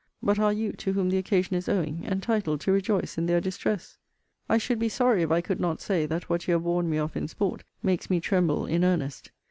But are you, to whom the occasion is owing, entitled to rejoice in their distress? I should be sorry, if I could not say, that what you have warned me of in sport, makes me tremble in earnest.